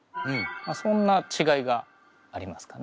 そんな違いがありますかね。